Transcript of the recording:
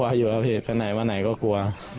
อยู่ครับพี่ไปไหนมาไหนก็กลัว